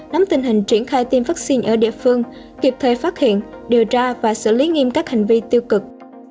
nắm tình hình triển khai tiêm vaccine ở địa phương kịp thời phát hiện điều tra và xử lý nghiêm các hành vi tiêu cực